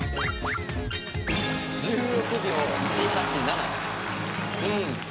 １６秒１８７。